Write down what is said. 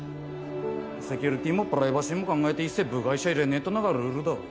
セキュリティーもプライバシーも考えて一切部外者入れねえっていうのがルールだろ。